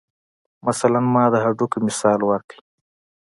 مثلاً ما د هډوکو مثال ورکو.